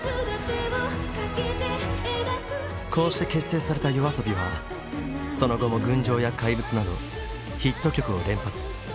こうして結成されたＹＯＡＳＯＢＩはその後も「群青」や「怪物」などヒット曲を連発。